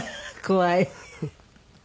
怖い。